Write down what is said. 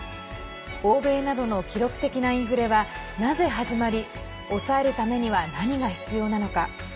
欧米などの記録的なインフレはなぜ始まり抑えるためには何が必要なのか。